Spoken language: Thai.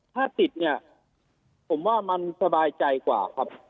ถ้าติดเนี่ยผมว่ามันสบายใจกว่าครับ